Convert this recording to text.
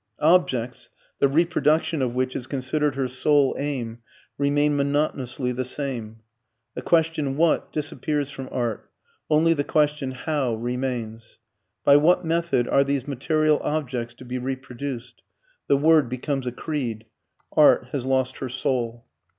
Objects, the reproduction of which is considered her sole aim, remain monotonously the same. The question "what?" disappears from art; only the question "how?" remains. By what method are these material objects to be reproduced? The word becomes a creed. Art has lost her soul.